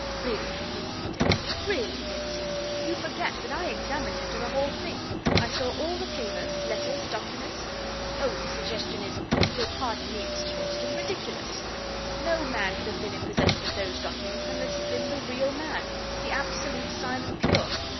"Really!" he repeated. "Really, Lindsey! you forget that I examined into the whole thing! I saw all the papers letters, documents Oh, the suggestion is you'll pardon me, Mrs. Ralston ridiculous! No man could have been in possession of those documents unless he'd been the real man the absolute Simon Pure!